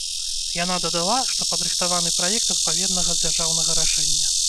Яна дадала, што падрыхтаваны праект адпаведнага дзяржаўнага рашэння.